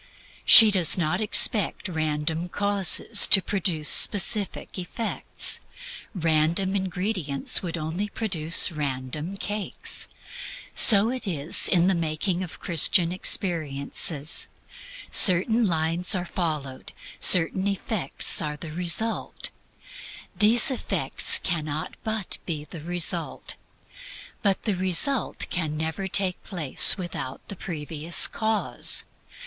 She does not expect random causes to produce specific effects random ingredients would only produce random cakes. So it is in the making of Christian experiences. Certain lines are followed; certain effects are the result. These effects cannot but be the result. But the result can never take place without the previous cause.